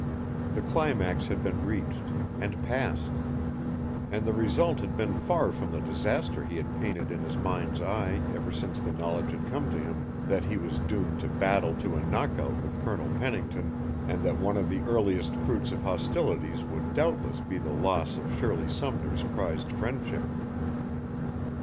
The climax had been reached and passed; and the result had been far from the disaster he had painted in his mind's eye ever since the knowledge had come to him that he was doomed to battle to a knockout with Colonel Pennington, and that one of the earliest fruits of hostilities would doubtless be the loss of Shirley Sumner's prized friendship.